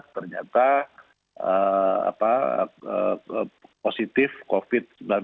ternyata positif covid sembilan belas